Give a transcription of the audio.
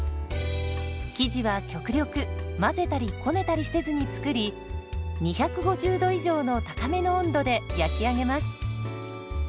生地は極力混ぜたりこねたりせずに作り２５０度以上の高めの温度で焼き上げます。